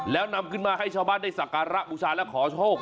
แล้วนำขึ้นมาให้ชาวบ้านได้สักการะบูชาและขอโชค